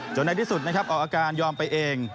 ในที่สุดนะครับออกอาการยอมไปเอง